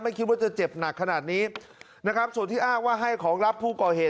คิดว่าจะเจ็บหนักขนาดนี้นะครับส่วนที่อ้างว่าให้ของรับผู้ก่อเหตุ